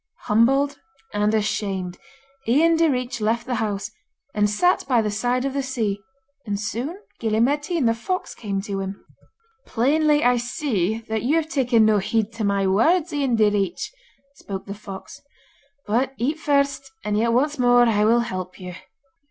Humbled and ashamed, Ian Direach left the house, and sat by the side of the sea, and soon Gille Mairtean the fox came to him. 'Plainly I see that you have taken no heed to my words, Ian Direach,' spoke the fox. 'But eat first, and yet once more will I help you.